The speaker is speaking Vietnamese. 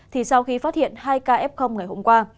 thì sau khi phát hiện hai kf ngày hôm qua